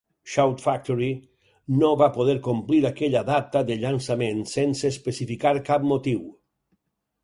Shout Factory no va poder complir aquella data de llançament sense especificar cap motiu.